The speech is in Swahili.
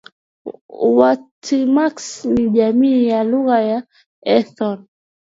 WaTyumrks ni jamii ya lugha ya ethno